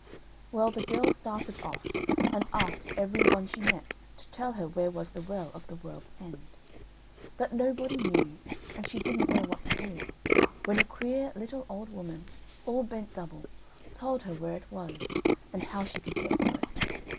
Well, the girl started off, and asked every one she met to tell her where was the Well of the World's End. But nobody knew, and she didn't know what to do, when a queer little old woman, all bent double, told her where it was, and how she could get to it.